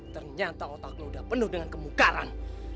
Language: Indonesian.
ternyata otakmu udah penuh dengan kemungkaran